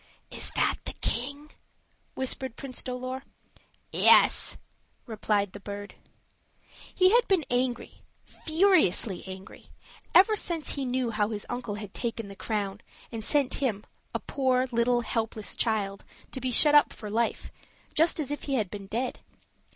"Is that the King?" whispered Prince Dolor. "Yes," replied the bird. He had been angry furiously angry ever since he knew how his uncle had taken the crown, and sent him, a poor little helpless child, to be shut up for life, just as if he had been dead.